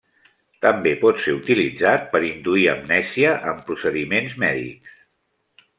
També pot ser utilitzat per induir amnèsia en procediments mèdics.